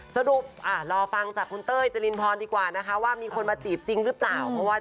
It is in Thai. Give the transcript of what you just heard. ฝีบรรยาฬรุ่นกีกี่วันเองบอกว่าเฮ่ยเล่นเก่งแล้ว